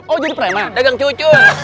oh jadi prima dagang cucu